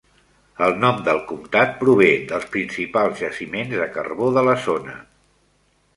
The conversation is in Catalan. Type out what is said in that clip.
El nom del comtat prové dels principals jaciments de carbó de la zona.